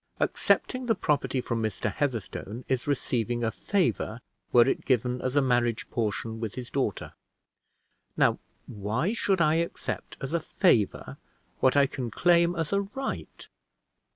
Accepting the property from Mr. Heatherstone is receiving a favor were it given as a marriage portion with his daughter. Now, why should I accept as a favor what I can claim as a right!